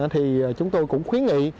thì chúng tôi cũng khuyến nghị